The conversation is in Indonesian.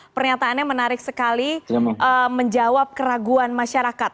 pernyataannya menarik sekali menjawab keraguan masyarakat